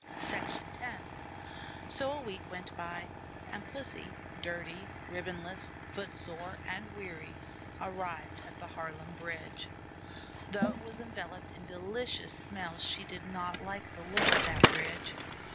X So a week went by, and Pussy, dirty, ribbon less, foot sore, and weary, arrived at the Harlem Bridge. Though it was enveloped in delicious smells, she did not like the look of that bridge.